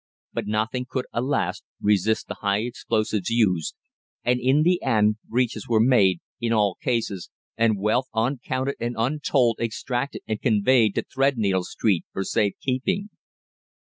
But nothing could, alas! resist the high explosives used, and in the end breaches were made, in all cases, and wealth uncounted and untold extracted and conveyed to Threadneedle Street for safe keeping.